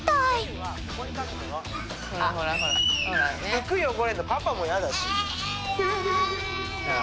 服汚れんのパパも嫌だし。